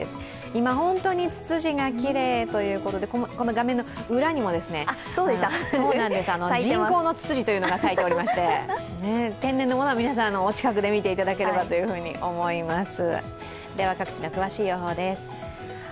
今、本当にツツジがきれいということで、この画面の裏にも人工のツツジが咲いておりまして天然のものは皆さんお近くで見ていただければと思います。